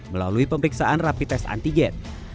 melalui pemeriksaan rapi tes antigen